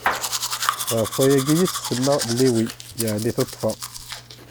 Ɣef wayagi i s-tsemma Lewwi, yeɛni tuṭṭfa.